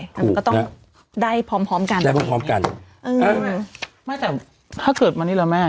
แต่มันก็ต้องได้พร้อมพร้อมกันได้พร้อมพร้อมกันเออเออไม่แต่ถ้าเกิดวันนี้ละแม่